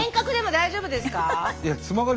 大丈夫です。